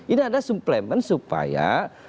ini ada suplemen supaya